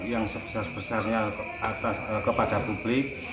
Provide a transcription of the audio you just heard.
yang sebesar besarnya kepada publik